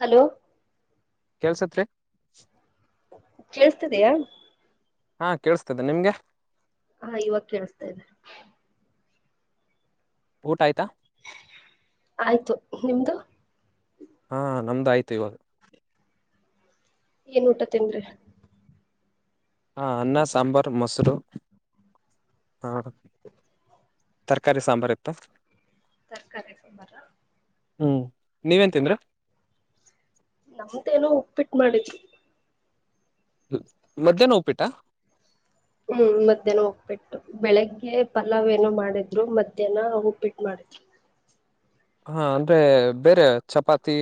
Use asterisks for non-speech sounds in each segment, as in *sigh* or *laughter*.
Hello ಕೆಲ್ಸತ್ರರಿ ಕೇೇಳಸ್ತದಿಯ ಹಾ ಕೇೇಳಸ್ತದೆ ನಿಮ್ಗೆ ಹಾ ಇವಾಗ ಕೇಳಸ್ತಾ ಇದೆ ಊಟ್ ಆಯ್ತಾ ಆಯ್ತು ನಿಮ್ದು ಹಾ ನಮ್ದ ಆಯ್ತು ಇವಾಗ ಏನ್ ಊಟ ತಿಂದ್ರಿ ಹಾ ಅನ್ನ ಸಾಂಬಾರ್ ಮೊಸರು ಹಾ ತರಕಾರಿ ಸಾಂಬಾರ್ ಇತ್ತು ತರಕಾರಿ ಸಾಂಬಾರ್ ಹ್ಮ್ ನೀವೇನ್ ತಿಂದ್ರಿ ಉಪ್ಪಿಟ್ಟು ಮಾಡಿದ್ರು ಮಧ್ಯಾಹ್ನ ಉಪ್ಪಿಟ್ಟ ಹ್ಮ್ ಮಧ್ಯಾಹ್ನ ಉಪ್ಪಿಟ್ಟು ಬೆಳಿಗ್ಗೆ ಪಲಾವ್ ಏನೋ ಮಾಡಿದ್ರು ಮಧ್ಯಾಹ್ನ ಉಪ್ಪಿಟ್ಟು ಮಾಡಿದ್ರು ಹಾ ಅಂದ್ರೆ ಬೇರೆ ಚಪಾತಿ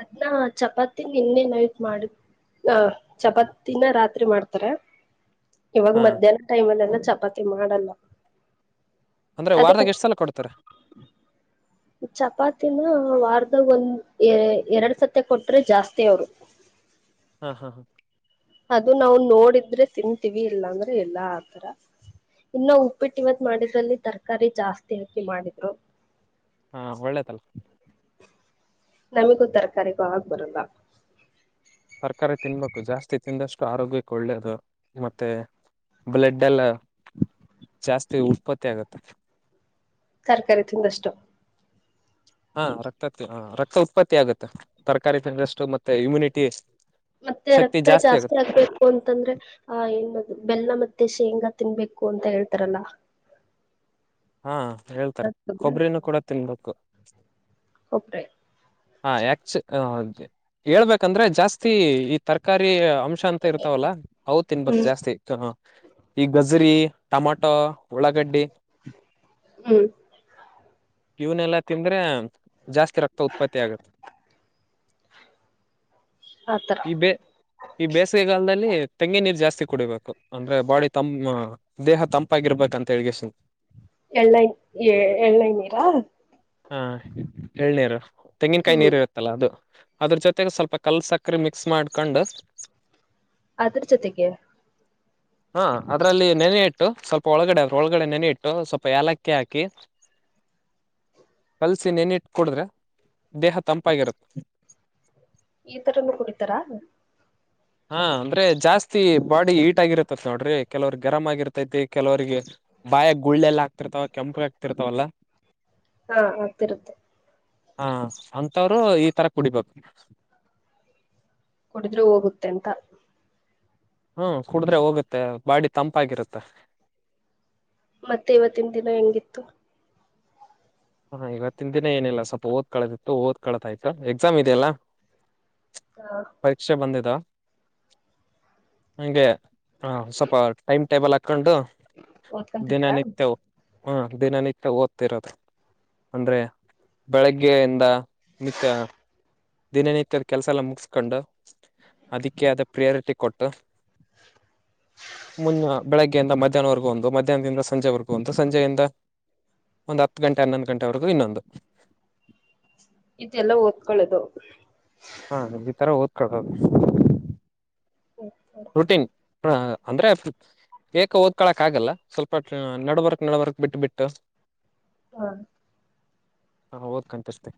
ಅನ್ನ ಚಪಾತಿ ನಿನ್ನೆ ನೈಟ್ ಮಾಡಿ ಹಾ ಚಪಾತಿನ ರಾತ್ರಿ ಮಾಡ್ತಾರೆ ಇವಾಗ ಹಾ ಮಧ್ಯಾಹ್ನ ಟೈಮ್ ಅಲ್ಲಿ ಎಲ್ಲಾ ಚಪಾತಿ ಮಾಡಲ್ಲ ಅಂದ್ರೆ ಅದೇ ವಾರದಗೆಷ್ಟಸಲ್ಲ ಕೊಡ್ತಾರೆ ಚಪಾತಿನ ವಾರದ ಒಂದ್ ಎರಡ್ ಸತಿ ಕೊಟ್ರೆ ಜಾಸ್ತಿ ಅವರು ಹಾ ಹಾ ಹಾ ಅದು ನಾವು ನೋಡಿದ್ರೆ ತಿನ್ಂತೀವಿ ಇಲ್ಲ ಅಂದ್ರೆ ಎಲ್ಲಾ ಆತರ ಇನ್ನು ಉಪ್ಪಿಟ್ಟು ಇವತ್ ಮಾಡಿದ್ರಲ್ಲಿ ತರ್ಕಾರಿ ಜಾಸ್ತಿ ಹಾಕಿ ಮಾಡಿದ್ರು ಹಾ ಒಳ್ಳೇದಲ್ಲ ನಮಿಗೂ ತರಕಾರಿಗೂ ಆಗ್ ಬರಲ್ಲ ತರಕಾರಿ ತಿನ್ಬೇಕು ಜಾಸ್ತಿ ತಿಂದಷ್ಟು ಆರೋಗ್ಯಕ್ಕೆ ಒಳ್ಳೇದು ಮತ್ತೆ ಬ್ಲಡ್ ಎಲ್ಲ ಜಾಸ್ತಿ ಉತ್ಪತ್ತಿ ಆಗುತ್ತೆ ತರಕಾರಿ ತಿಂದಷ್ಟು ಹಾ ರಕ್ತ ರಕ್ತ ಉತ್ಪತ್ತಿ ಆಗುತ್ತೆ ತರಕಾರಿ ತಿಂದಷ್ಟ್ಟು ಮತ್ತೆ ಇಮ್ಯುನಿಟಿ ಮತ್ತೆ ಶಕ್ತಿ ರಕ್ತ ಆಗುತ್ತೆ ಜಾಸ್ತಿ ಆಗ್ಬೇಕು ಅಂತಂದ್ರೆ ಆ ಏ ಬೆಲ್ಲ ಮತ್ತೆ ಶೇಂಗಾ ತಿನ್ಬೇಕು ಅಂತ ಹೇಳ್ತಾರಲ್ಲ ಹಾ ಹೇಳ್ತಾರೆ ಕೊಬ್ಬರಿನೂ ಕೂಡ ತಿನ್ಬೇಕು *unintelligible* *inaudible* ಹೇ ಯಾಕ್ ಹೇಳ್ಬೇಕಂದ್ರೆ ಜಾಸ್ತಿ ಈ ತರಕಾರಿ ಅಂಶ ಅಂತ ಇರ್ತಾವಲ್ಲ ಹೌ ತಿನ್ಬಕ್ ಹ್ಮ್ ಜಾಸ್ತಿ ಈ ಗಜರಿ ಟೊಮೊಟೊ ಉಳ್ಳಾಗಡ್ಡಿ ಹ್ಮ್ ಇವನೆಲ್ಲಾ ತಿಂದ್ರೆ ಜಾಸ್ತಿ ರಕ್ತ ಉತ್ ಉತ್ಪತಿ ಆಗುತ್ತೆ ಆತರ ಈ ಬೇ ಈ ಬೇಸಿಗೆ ಕಾಲದಲ್ಲಿ ತೆಂಗಿನ ನೀರ್ ಜಾಸ್ತಿ ಕುಡಿಬೇಕು ಅಂದ್ರೆ ಬಾಡಿ ತಂಪ್ ದೇಹ ತಂಪಾಗಿರ್ಬೇಕಂತ ಹೇಗ ಸನ್ ಎಳ್ಳೈ ಏಳನೀರು ಹಾ ಹೇಳಳ್ನಾರ ತೆಂಗಿನಕಾಯಿ ಹ್ಮ್ ನೀರು ಇರುತ್ತಲ್ಲ ಅದು ಅದ್ರ ಜೊತೆಗೆ ಸ್ವಲ್ಪ ಕಲ್ಲ ಸಕ್ಕರೆೆ ಮಿಕ್ಸ್ ಮಾಡ್ಕೊಂಡು ಅದ್ರ ಜೊತೆಗೆ ಹಾ ಅದ್ರಲ್ಲಿ ನೆನೆ ಇಟ್ಟು ಸ್ವಲ್ಪ ಒಳಗಡೆ ಒಳಗಡೆ ನೆನೆ ಇಟ್ಟು ಸ್ವಲ್ಪ ಏಲಕ್ಕಿ ಹಾಕಿ ಕಲ್ಸಿ ನೆನಿಟ್ಟ ಕುೂಡ್ರೆ ದೇಹ ತಂಪಾಗಿರುತ್ತೆ ಈ ತರ ಕುಡಿತಾರಾ ಹಾ ಅಂದ್ರೆ ಜಾಸ್ತಿ ಬಾಡಿ ಈಟ್ ಆಗಿರ್ತತಿ ನೋಡ್ರಿ ಕೆಲವ್ರ ಗರಮ ಆಗಿರ್ತೈತಿ ಕೆಲವರಿಗೆ ಬಾಯ ಗುಳ್ಳೆಲ್ಲ ಆಗ್ತಿರ್ತವ ಕೆಂಪು ಆಗ್ತಿರ್ತವಲ್ಲ ಹಾ ಆಗ್ತಿರುತ್ತೆ ಹಾ ಅಂತಂತವ್ರು ಈ ತರ ಕುಡಿಬೇಕು ಕೂಡುದ್ರೆ ಹೋಗುತ್ತೆ ಅಂತ ಹ್ಮ್ ಕುಡಿದ್ರೆ ಹೋಗುತ್ತೆ ಬಾಡಿ ತಂಪಾಗಿರುತ್ತೆ ಮತ್ತೆ ಇವತ್ತಿನ ದಿನ ಹೆಂಗಿತ್ತು ಹಾ ಇವತ್ತಿನ ದಿನ ಏನಿಲ್ಲ ಸ್ವಲ್ಪ ಓದ್ ಕಳತಿ ಇತ್ತು ಓದ್ ಕಳತ್ ಆಯ್ತು ಎಕ್ಸಾಮ್ ಇದದೆೆಯಲ್ಲಾ ಹ ಪರೀಕ್ಷೆ ಬಂದಿದಾ ಹಂಗೆ ಹ ಸ್ವಲ್ಪ ಟೈಮ್ ಟೇಬಲ್ ಹಾ ಕತ್ಕೊಂಡು ದಿನ ಓದ್ಕೊಂತಿದ್ದೀರಾ ನಿತವು ಹಾ ದಿನನಕ್ತ್ಯ ಓದ್ತಿರೋದು ಅಂದ್ರೆ ಬೆಳಗ್ಗೆಯಿಂದ ನಿತ್ಯ ದಿನನಿತ್ಯದ ಕೆಲಸ ಎಲ್ಲ ಮುಗಸ್ಕೊಂಡು ಅದಕ್ಕೆ ಆದ ಪ್ರಿಯಾರಿಟಿ ಕೊಟ್ಟು ಮುನ್ನ ಬೆಳಗ್ಗೆಯಿಂದ ಮಧ್ಯಾಹ್ನವರೆಗೂ ಒಂದು ಮಧ್ಯಾಹ್ನದಿಂದ ಸಂಜೆವರೆಗೂ ಒಂದು ಸಂಜೆಯಿಂದ ಒಂದು ಹತ್ತು ಗಂಟೆ ಹನ್ನೊಂದು ಗಂಟೆವರೆಗೂ ಇನ್ನೊಂದು ಇದೆ ಎಲ್ಲ ಓದ್ಕೊಳ್ಳದು ಕಕ *inaudible* ಹ ಅಂದ್ರೆ ಬೇಕ ಓದ್ಕೊಳಕ್ ಆಗಲ್ಲ ಸ್ವಲ್ಪ ನಡ್ಬರ್ಕ್ ನಡ್ಬರ್ಕ್ ಬಿಟ್ಟು ಬಿಟ್ಟು ಹಾ ಹಾ ಹ ಓದ್ ಕನಪಿಸತೆ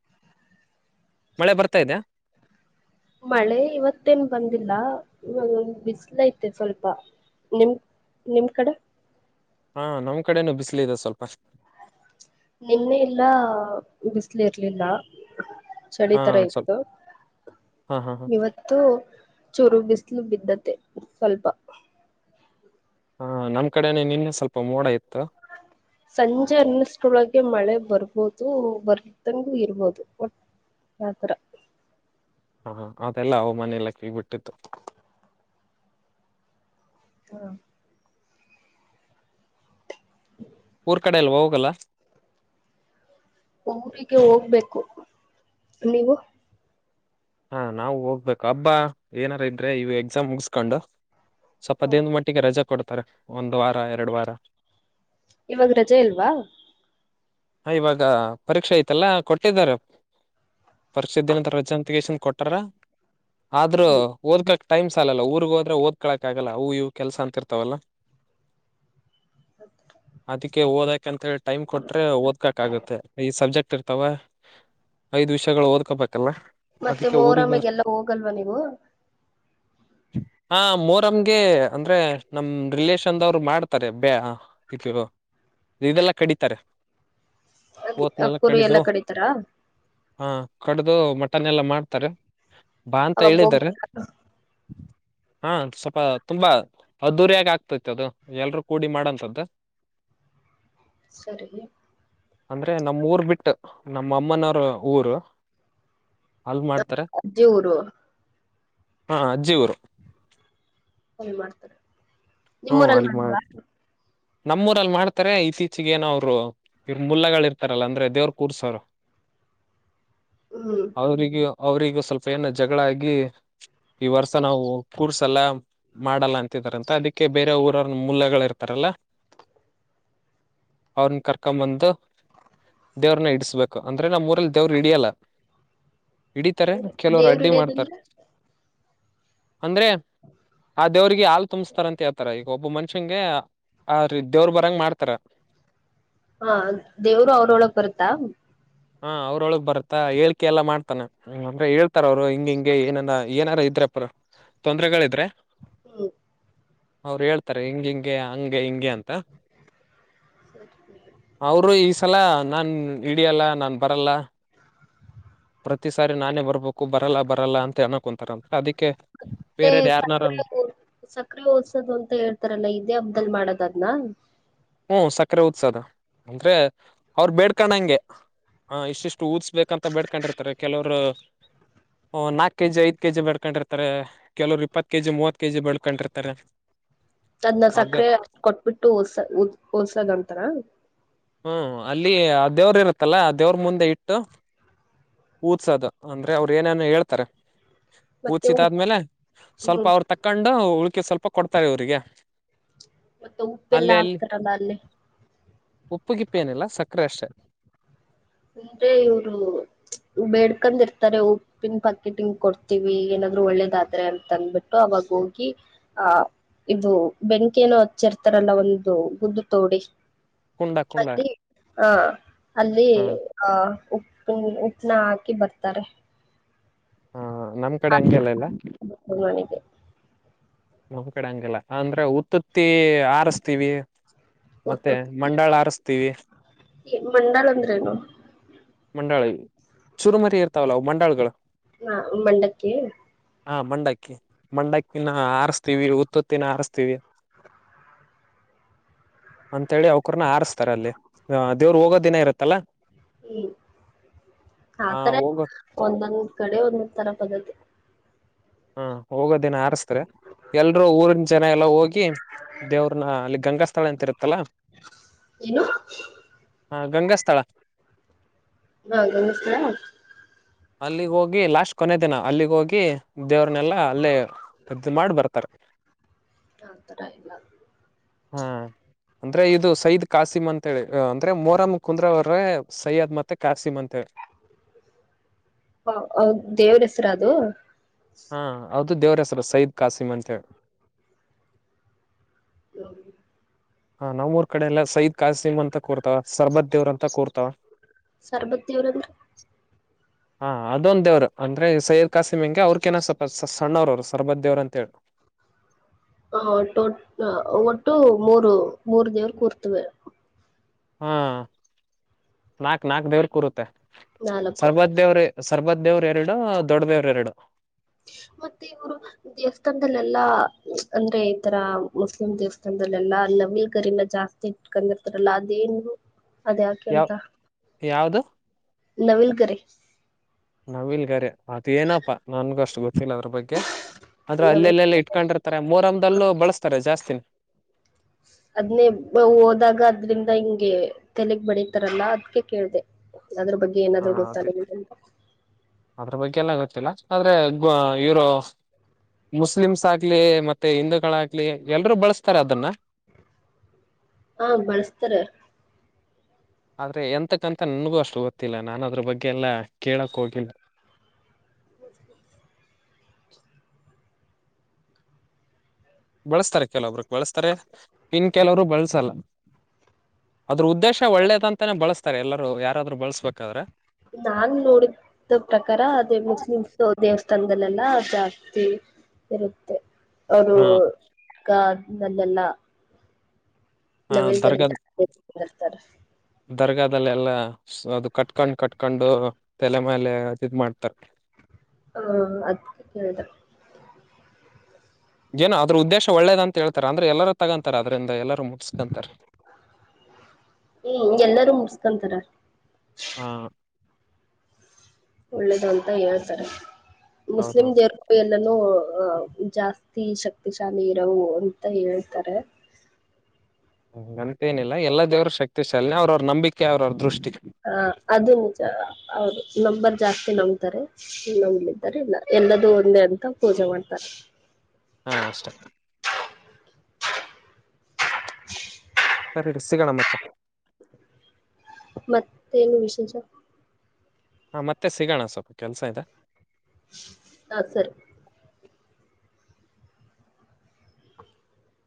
ಮಳೆ ಬರ್ತಾ ಇದ್ಯಾ ಮಳೆ ಇವತ್ತೇನ್ ಬಂದಿಲ್ಲ ಬಿಸಲ ಐತೆ ಸ್ವಲ್ಪ ನಿಮ ನಿಮ್ ಕಡೆ ಹಾ ನಮ್ ಕಡೆನುೂ ಬಿಸಿಲ ಇದೆ ಸ್ವಲ್ಪ ನಿಮ್ನೆ ಇಲ್ಲ ಬಿಸಿಲಿ ಇರ್ಲಿಲ್ಲ ಚಳಿ ಹಾ ತರ ಸ್ವಲ್ಪ ಇತ್ತು ಹಾ ಹಾ ಹಾ ಇವತ್ತು ಚೂರು ಬಿಸಿಲು ಬಿದ್ದದ ಮತ್ತ ಸ್ವಲ್ಪ ಹಾ ನಮ್ ಕಡೆನೆ ನಿನ್ನೆ ಸ್ವಲ್ಪ ಮೋಡ ಇತು ಸಂಜೆ ಅನ್ನಷ್ಟೊಳಗೆ ಮಳೆ ಬರ್ಬದು ಇರ್ಬೋದು ಬರ್ದಂಗೂ ಇರ್ಬೋದು ಒಟ್ಟ ಯತರ ಹಾ ಹ ಅದೆಲ್ಲ ಅವ ಮನೆಯಲ್ಲ ಕೀಬಿಟ್ಟಿತ್ತು ಹ್ಮ *inaudible* ಊರ್ ಕಡೆಯಲ್ಲಿ ಹೋಗಲ್ಲ ಊರಿಗೆ ಹೋಗ್ಬೇಕು ನೀವು ಹಾ ನಾವು ಹೋಗ್ಬೇಕು ಹಬ್ಬಾ ಏನಾರ ಇದ್ರೆ ಇವ ಎಕ್ಸಾಮ್ ಮುಗಸ್ಕೊಂಡು ಸ್ವಲ್ಪ ದೇನ್ ಮಟ್ಟಿಗೆ ರಜಾ ಕೊಡ್ತ ತರ ಒಂದು ವಾರ ಎರಡು ವಾರ ಇವಾಗ ರಜೆ ಇಲ್ವಾ ಹ ಇವಾಗ ಪರೀಕ್ಷೆ ಐತಲ್ಲ ಕೊಟ್ಟಿದ್ದಾರೆ ಪರೀಕ್ಷೆ ಇದ್ದನಂತ ರಜಾಂತಗ ಕೊಟ್ಟರ ಆದ್ರೂ ಓದಕಕ್ ಟೈಮ್ ಸಾಲಲ್ಲ ಊರ್ಗ ಹೋದ್ರೆ ಓದ್ಕಳಕ್ ಆಗಲ್ಲ ಅವು ಇವು ಕೆಲ್ಸ ಅಂತಿರ್ತಾವಲ್ಲ ಅದಕ್ಕೆ ಹೋದ ಯಾಕಂತ ಟೈಮ್ ಕೊಟ್ರೆ ಓದ್ಬೇಕ ಆಗತ್ತೆ ಐದ್ ಸಬ್ಜೆಕ್ಟ್ ಇರ್ತವ ಐದ್ ವಿಷಯಗಳು ಓದ್ಕೋಬೇಕ ಅಲ್ಲಾ ಅದ ಮೊರಮ್ಮಿಗೆಲ್ಲ ಹೋಗಲ್ವಾ ನೀವು ಹಾ ಮೋರಮ್ಗೆ ಅಂದ್ರೆ ನಮ ರಿಲಷನ್ದವ್ರು ಮಾಡ್ತಾರೆ ಬ್ಯಾ ಇದು ಇದೆಲ್ಲಾ ಕಡಿತಾರೆ ಓತ್ನೆಲ್ಲ ಕುರಿ ಕಡಿದು ಎಲ್ಲಾ ಕಡಿತಾರ ಹಾ ಕಡಿದು ಮ ತನ್ನೆಲ್ಲ ಮಾಡ ತ ಬಾ ಅಂತ ಅವಾಗ ಹೇಳಿದಾರ ಹೋಗ್ಬೇಕ ಹಾ ಸ್ವಲ್ಪ ತುಂಬಾ ಅದ್ಧೂರಿಯಾಗಿ ಆಗ್ತತಿ ಅದು ಎಲ್ರೂ ಕೂಡಿ ಮಾಡುವಂತದ್ದು ಸರಿ ಅಂದ್ರೆ ನಮ್ಮ ಊರ್ ಬಿಟ್ಟ ನಮ್ಮ ಅಮ್ಮನವ್ರ ಊರ್ ಅಲ್ ಮಾಡ್ ಅಜ್ಜಿ ಊರು ಹಾ ಅಜ್ಜಿ ಊರು ಸರಿ ಮಾಡ್ತಾರೆ ಹ್ಮ್ ನಿಮ್ಮೂರಲ್ಲಿ ಅಲ್ಲಿ ಮಾಡ ಮಾಡಲ್ವಾ ನಮ್ಮೂರಲ್ಲಿ ಮಾಡ್ತಾರೆ ಇತ್ತೀಚಿಗೆ ಏನೋ ಅವರು ಇ ಮುಲ್ಲಗಳ ಇರ್ತಾರಲ್ಲ ಅಂದ್ರೆ ದೇವ್ರ ಕೂರ್ಸೋರು ಹ್ಮ್ ಅವ್ರಗ ಅವ್ರಗ ಸ್ವಲ್ಪ ಏನ ಜಗಳಾಗಿ ಈ ವರ್ಷ ನಾವು ಕೂರ್ಸಲ್ಲ ಮಾಡಲ್ಲ ಅಂತಿದಿದ್ದಾರೆ ಅಂತ ಅದಕ್ಕೆ ಅದಕೆ ಬೇರೆ ಊರರ ಮೂಲಗಳ ಇರ್ತಾರಲ್ಲಾ ಅವ್ರನ್ನ ಕರ್ಕೊಂಬಂದು ದೇವ್ರನ್ನ ಇಡಸ್ಬೇಕು ಅಂದ್ರೆ ನಮ್ಮ್ ಊರಲ್ಲಿ ದೇವ್ರು ಹಿಡಿಯಲ್ಲ ಹಿಡಿತಾರೆ ಅಂದ್ರೆ ಕೆಲವರು ದೇವ್ರ ಅಡ್ಡಿ ಮಾಡ್ತಾರ ಹಿಡಿಯೋದಂದ್ರೆ ಅಂದ್ರೆ ಆ ದೇವ್ರರಿಗೆ ಹಾಲು ತುಂಬಸ್ತಾರಂತೆ ಹತಾರ ಈಗ ಒಬ್ಬ ಮನುಷ್ಯಂಗೆ ಆ್ರ ದೇವ್ರ ಬರಂಗ ಮಾಡ್ತಾರ ಹ ದೇವರು ಅವ್ರೊಳಗ್ ಬರುತ್ತಾ ಹಾ ಅವ್ರೊಳಗ್ ಬರ್ತಾ ಹೇಳ್ಕೆ ಎಲ್ಲಾ ಮಾಡ್ತಾನ ಅಂದ್ರೆ ಹೇಳ್ತಾರ ಅವ್ರು ಹಿಂಗ ಹಿಂಗೆ ಏನ ಏನಾರ ಇದ್ರಪ್ಪರ ತೊಂದ್ರೆಗಳಿದ್ರೆ ಹ್ಮ್ ಅವರು ಹೇಳ್ತಾರೆ ಹಿಂಗ ಹಿಂಗೆ ಹಂಗೆ ಹಿಂಗೆ ಅಂತ ಸಚ್ ಅವರು ಈ ಸಲ ನಾನ್ ಇಡಿಯಲ್ಲ ನಾನ ಬರಲ್ಲ ಪ್ರತಿ ಸಾರಿ ನಾನೇ ಬರ್ಬೇಕು ಬರಲ್ಲ ಬರಲ್ಲ ಅಂತ ಅಣಕ್ ಕುಂತಾರಂತ ಅದಕ್ಕೆ ಮತ್ತೆ ಬೇರೆಯವ್ರ್ ಯಾರ್ನಾರ ಸಕ್ರ ಸಕ್ರೆ ಓದಸೋದು ಅಂತ ಹೇಳ್ತಾರಲ್ಲ ಇದೇ ಹಬ್ಬ್ದದಲ್ಲಿ ಮಾಡೋದದ್ನ ಹ್ಮ ಸಕ್ಕರೆ ಉದ್ಸ ಅದ ಅಂದ್ರೆ ಅವರು ಬೇಡ್ಕೊಂಡಂಗೆ ಇಷ್ಟಿಷ್ಟು ಊದಸ್ಬೇಕಂತ ಬೇಡ್ಕೊಂಡಿರ್ತಾರೆ ಕೆಲವರು ನಾಕ್ ಕೆಜಿ ಐದ ಕೆಜಿ ಬೇಡ್ಕೊಂಡಿರ್ತಾರೆ ಕೆಲವರು ಇಪ್ಪತ್ತು ಕೆ ಜಿ ಮೂವತ್ ಕೆ ಜಿ ಬೆಳ್ಕೊಂಡಿರ್ತಾರೆ ತನ್ನ ಅದ ಸಕ್ಕರೆ ಕೊಟ್ಬಿಟ್ಟು ಹೋದ್ಸಲ ಅಂತನಾ ಹ್ಮ್ ಅಲ್ಲಿ ಆ ದೇವ್ರ ಇರತ್ತಲ್ಲ ಆ ದೇವ್ರ ಮುಂದೆ ಇಟ್ಟು ಊದ್ಸೋದು ಅಂದ್ರೆ ಅವ್ರ ಏನೇನು ಹೇಳ್ತಾರೆ ಮತ್ತೆ ಉ ಪೂಜಸಿದ ಆದ್ಮೇಲೆ ಸ್ವಲ್ಪ ಹ್ಮ್ ಅವ್ರ ತಕ್ಕೊಂಡು ಉಳ ಸ್ವಲ್ಪ ಕೊಡ್ತಾರೆ ಇವ್ರರಿಗೆ ಮತ್ತೆ ಉಪ್ಪೆಲ್ಲ ಆಗ್ತಾರ ಬ ಅಲ್ಲಿ ಉಪ್ಪುಗಿಪ್ಪೇನಿಲ್ಲ ಸಕ್ಕರೆ ಅಷ್ಟೆ ಅಂದ್ರೆ ಇವ್ರು ಬೇಡ್ಕಂದ್ ಇರ್ತಾರೆ ಉಪ್ಪಿನ ಪಾಕಿಟಿಂಗ ಕೊಡ್ತೀವಿ ಏನಾದ್ರು ಒಳ್ಳೇದಾದ್ರೆ ಅಂತ ಅಂದ್ಬಿಟ್ಟು ಅವಾಗ ಹೋಗಿ ಆಹ ಇದು ಬೆಂಕಿ ಏನೋ ಹಚ್ಚಿರ್ತಾರಲ್ಲ ಒಂದು ಗುದ್ದು ತೋಡಿ ಕುಂಡ ಕುಂಡ ಅಲ್ಲಿ ಹ ಅಲ್ಲಿ ಹ್ಮ್ ಹ ಉಪ್ಪ ಉಪ್ಪನ ಹಾಕಿ ಬರ್ತಾರೆ ಹಾ ಹಾ ನಮ್ ಕಡೆ ಹಂಗೆಲ್ಲ ಇಲ್ಲ ನನಗೆ ನಮ್ ಕಡೆ ಹಂಗಿಲ್ಲ ಅಂದ್ರೆ ಉತ್ತುತ್ತಿ ಆರಸ್ತೀವಿ ಮತ್ತೆ ಮಂಡಾಳ ಆರಸ್ತೀವಿ ಮಂಡಲ್ ಅಂದ್ರೇನು ಮಂಡಾಳ ಚುರುಮರಿ ಇರ್ತಾವಲ್ಲ ಅವು ಮಂಡಾಳಗಳು ಹಾ ಮಂಡಕ್ಕೆ ಹಾ ಮಂಡಕ್ಕಿ ಮಂಡಕ್ಕಿನ ಆರಸ್ತೀವಿ ಉುತ್ತುತ್ತಿನ ಆರಸ್ತೀವಿ ಅಂತೇಳಿ ಅವಕ್ರನ ಆಾರಸ್ತ ಅಲ್ಲಿ ದೇವ್ರು ಹೋಗೋ ದಿನ ಇರುತ್ತಲ್ಲ ಹ್ಮ ಆತರ ಹೋಗೋ ಒಂದೊಂದ್ ಕಡೆ ಒಂದ ತರ ಪದತಿ ಹ ಹೋಗೋದಿನ ಆರಸ್ತ ಎಲ್ರೂ ಊರಿನ ಜನ ಎಲ್ಲಾ ಹೋಗಿ ಹಿ ದೇವ್ರನ ಅಲ್ಲಿ ಗಂಗಸ್ ಸ್ಥಳ ಅಂತಿತ್ತಲ್ಲ ಏನು ಹ ಗಂಗಾಸ್ಥಳ ವಾಕಮ್ ಸಲ ಅಲ್ಲಿಗ್ ಹೋಗಿ ಲಾಸ್ಟ್ ಕೊನೆ ದಿನ ಅಲ್ಲಿಗ್ ಹೋಗಿ ದೇವ್ರನೆಲ್ಲಾ ಅಲ್ಲೇ ಅದು ಮಾಡಿ ಬರ್ತಾರೆ ಹತ್ತರ ಇಲ್ಲ ಹಾ ಅಂದ್ರೆ ಇದು ಸಯದ್ ಕಾಸಿಮ್ ಅಂತ ಹೇಳಿ ಅಂದ್ರೆ ಮೋರಂ ಕುಂದ್ರ ಅವ್ರ ಸೈಯ್ಯದ್ ಮತ್ತೆ ಕಾಸಿಮ್ ಅಂತಿ ಹ ಹೌದ ದೇವರ ಹೆಸರ ಅದು ಹಾ ಹೌದು ದೇವರ ಹೆಸರು ಸಯದ್ ಕಾಸಿಮ್ ಅಂತ ಹೇಳಿ ಹೌ ಹಾ ನಮ್ಮೂರ ಕಡೆ ಎಲ್ಲ ಸಯದ್ ಕಸೀಮ್ ಅಂತ ಕೂರ್ತಾವ ಸರ್ಬತ್ ದೇವ್ರ ಅಂತ ಕೂರ್ತಾವ ಸರ್ಬತ್ತಿಯವ್ರಂದ್ರ ಹಾ ಅದೊಂದ ದೇವರು ಅಂದ್ರೆ ಸಯದ್ ಕಾಸಿಮ್ ಹೆಂಗೆ ಅವ್ರಕೇನ ಸ್ವಲ್ಪ ಸಣ್ಣವ್ರ ಅವರು ಸರ್ಬತ್ ದೇವ್ರ ಅಂತ ಹೇಳ ಹ ಒಟ್ಟು ಮೂರು ಮೂರ್ ದೇವ್ರ ಕೂರ್ತವೆ.. ಹಾ ನಾಕ್ ನಾಕ್ ದೇವಲ್ ಕೂರುತ್ತೆ. ನಾಲ್ಕು ಸರ್ಬಜ್ಞೇವ್ರ ಸರ್ಬಜ್ಞೇವರು ಎರಡು ದೊಡ್ಡ ದೇವ್ರ ಎರಡು. ಮತ್ತೆ ಇವರು ದೇವಸ್ಥಾನದಲ್ಲೆಲ್ಲಾ ಅಂದ್ರೆ ಈ ತರ ಮುಸ್ಲಿಂ ದೇವಸ್ಥಾನದಲ್ಲೆಲ್ಲಾ ನವಿಲ್ ಗರಿನ ಜಾಸ್ತಿ ಇಟ್ಕೊಂಡಿರ್ತಾರಲ್ಲ ಅದೇನು. ಅದ ಯಾಕೆಂತ. ಯಾವ್ ಯಾವ್ದು ನವಿೀಲ್ಕರಿ. ಆಮಿಲ್ಗಾರೆ ಅದ ಏನಪ್ಪಾ ನನ್ಗು ಅಷ್ಟು ಗೊತ್ತ. ದ್ರ ಬಗ್ಗೆ ಆದ್ರೆ ನವಿಲ್ ಅಲ್ಲೆಲ್ಲೆಲ್ಲಿ ಇಟ್ಕೊಂಡಿರ್ತಾರೆ ಮರಮಲ್ಲೂ ಬಳ. ತಾರೆ ಜಾಸ್ತಿನ. ಅದ್ನ್ನೇ ಹೋದಾಗ ಅದ್ರಿಂದ ಹಿಂಗೆ ತೆಲೆಗ್ ಬಡಿತಾರಲ್ಲ ಅದ್ಕ ಕೇಳ್ದ. ಅದ್ರ ಬಗ್ಗೆ ಹ ಏನಾದ್ರು ಅದೇ ಗೊತ್ತಾಗಿಿಲ್ಲ. ಗ ಆದ್ರೆ ಇವರು ಮುಸ್ಲಿಮ್ಸ್ ಆಗ್ಲಿ ಮತ್ತೆ ಹಿಂದೂಗಳಾಗ್ಲಿ ಎಲ್ರುೂ ಬಳಸ್ತಾರೆ ಅದನ್ನ. ಹಾ ಬಳಸ್ತಾರ. ಆದ್ರೆ ಎಂತಕ್ಕಂತ ನನ್ಗೂ ಅಷ್ಟು ಗೊತ್ತಿಲ್ಲ ನಾನು ಅದ್ರ ಬಗ್ಗೆ ಎಲ್ಲಾ ಕೇಳಕ್ ಹೋಗಿಲ್ಲ. ಬಳಸ್ತಾರೆ ಕೆಲೊಬ್ರ ಬಳಸ್ತಾರೆ ಇನ್ ಕೆಲವರು ಬಳಸಲ್ಲ ಅದ್ರ ಉದ್ದೇಶ ಒಳ್ಳೇದಂತಾನೇ ಬಳಸ್ತಾರೆ ಎಲ್ಲರುೂ ಯಾರಾದ್ರು ಬಳಸ್ಬೇಕಾದ್ರೆ. ನಾನ್ ನೋಡಿದ ಪ್ರಕಾರ ಅದೇ ಮುಸ್ಲಿಮ್ಸ್ ದೇವಸ್ಥಾನ. ತಂದಲೆೆಲ್ಲ ಜಾಸ್ತಿ ಇರುತ್ತೆ. ಅವರು. ಹಾ ನಲ್ಲಲ್ಲ. ಹ ನವ ಕತ. ದರ್ಗಾ ದರ್ಗಾದಲ್ಲೆಲ್ಲ ಅದು ಕಟ್ಕೊಂಡ್ ಕಟ್ಕೊಂಡು ತಲೆ ಮೇಲೆ ಇ ಮಾಡ್ತಾರೆ. ಹ ಅದ ಕೇಳಿದೆ. ಏನೋ ಅದ್ರದ್ದೇಶ ಒಳ್ಳೇದ ಅಂತೇತ ಅಂದ್ರೆ ಎಲ್ಲರೂ ತಗೊಂತಾರೆ ಅದ್ರಿಂದ ಎಲ್ಲರೂ ಮು. ಹ್ಮ ಎಲ್ಲಾರೂ ಮುಡ್ಸ್ಕೊಂತಾರ. ಹಾ ಒಳ್ಳೇದು ಅಂತ ಹೇಳ್ತಾರೆ. ಮುಸ್ಲಿಂ ಹೌದೌದು ಜರ್ಕೊ ಎಲ್ಲ. ಎಲ್ಲೂ ಅಹ ಜಾಸ್ತಿ ಶಕ್ತಿಶಾಲಿ ಇರವು ಅಂತ ಹೇಳ್ತಾರೆ. ಹ. ಏನಿಲ್ಲ ಎಲ್ಲ ದೇವರು ಶಕ್ತಿ. ಅವ್ರ ಅವ್ರ ನಂಬಿಕೆ ಅವ್ರ ಅವ್ರ ದೃಷ್ಟಿ. ಆ ಅದು ನಿಜ ಅವರು ನಂಬರ್ ಜಾಸ್ತಿ ನಂಬ್ತಾರೆ. ನಮಿದ್ದಾರೆ ಇಲ್ಲ ಎಲ್ಲದು. ಅಂದೆ ಅಂತ ಪೂಜೆ ಮಾಡ್ತಾರೆ. ಹಾ ಅಷ್ಟೇ. ಸರಿಡ ಸಿಗಣಮ್ಮಕ್ಕ. ಮತ್ತೇನು ವಿಶೇಷ. ಹಾ ಮತ್ತೆ ಸಿಗೋಣ ಸ್ವಲ್ಪ ಕೆಲ್ಸ ಇ. ನಾ ಸರಿ.